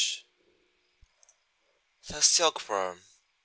_ THE SILK WORM.